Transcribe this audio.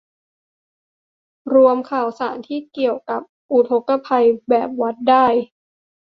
รวมข่าวสารที่เกี่ยวกับอุทกภัย แบบวัดได้